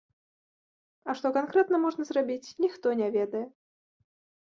А што канкрэтна можна зрабіць, ніхто не ведае.